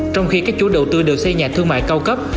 trong khi các chủ đầu tư đều xây nhà thương mại cao cấp